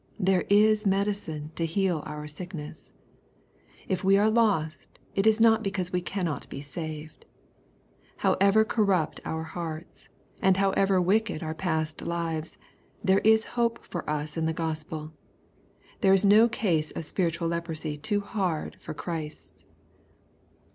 There is medicine to heal our sickness. If we are lost it is not because we cannot be saved. However corrupt our hearts, and however wicked our past lives, there is hope for us in the Gospel. There is no case of spiritual lep rosy too hard for Christ.